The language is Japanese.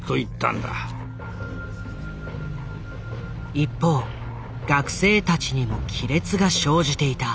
一方学生たちにも亀裂が生じていた。